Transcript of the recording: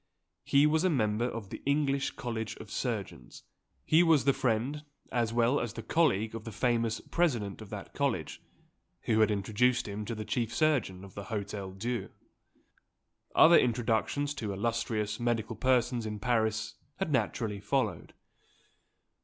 He was a member of the English College of Surgeons; he was the friend, as well as the colleague of the famous President of that College, who had introduced him to the chief surgeon of the Hotel Dieu. Other introductions to illustrious medical persons in Paris had naturally followed.